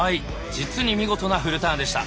実に見事なフルターンでした。